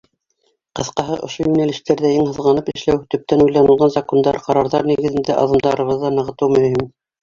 Ҡыҫҡаһы, ошо йүнәлештәрҙә ең һыҙғанып эшләү, төптән уйланылған закондар, ҡарарҙар нигеҙендә аҙымдарыбыҙҙы нығытыу мөһим.